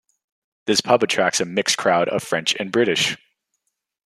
This pub attracts a mixed crowd of French and British.